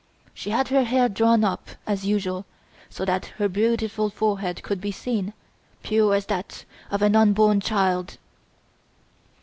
She had her hair drawn up, as usual, so that her beautiful forehead could be seen, pure as that of an unborn child!"